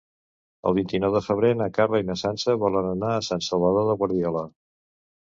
El vint-i-nou de febrer na Carla i na Sança volen anar a Sant Salvador de Guardiola.